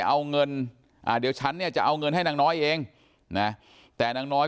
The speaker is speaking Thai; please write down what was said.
เอาเงินอ่าเดี๋ยวฉันเนี่ยจะเอาเงินให้นางน้อยเองนะแต่นางน้อย